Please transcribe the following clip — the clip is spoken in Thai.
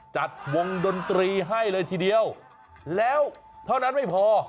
จัดวงดนตรีให้เลยทีเดียวแล้วเท่านั้นไม่พอ